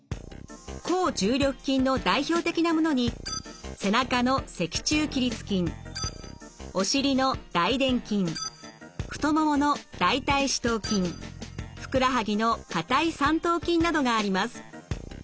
抗重力筋の代表的なものに背中の脊柱起立筋お尻の大臀筋太ももの大腿四頭筋ふくらはぎの下腿三頭筋などがあります。